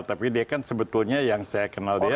tapi dia kan sebetulnya yang saya kenal dia